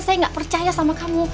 saya nggak percaya sama kamu